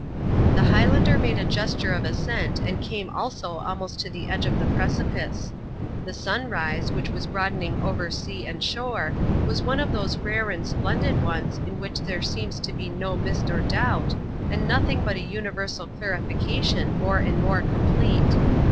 The Highlander made a gesture of assent and came also almost to the edge of the precipice. The sunrise, which was broadening over sea and shore, was one of those rare and splendid ones in which there seems to be no mist or doubt, and nothing but a universal clarification more and more complete.